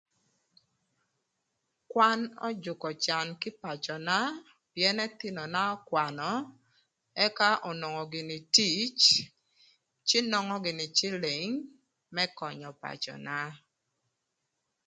Kwan öjükö can kï pacöna pïën ëthïnöna ökwanö ëka onongo gïnï tic cë nongo gïnï cïlïng më könyö pacöna.